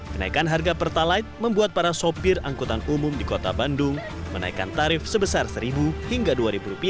kenaikan harga pertalite membuat para sopir angkutan umum di kota bandung menaikkan tarif sebesar rp satu hingga rp dua